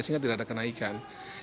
sehingga tidak ada kenaikan